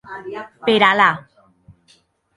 Per Allà!